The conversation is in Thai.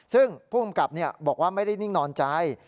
ซึ่งผู้กำกับบอกว่าไม่ได้นิ่งนอนใจ